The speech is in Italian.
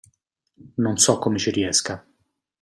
Non so come ci riesca.